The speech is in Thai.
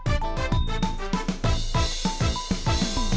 โปรดติดตามตอนต่อไป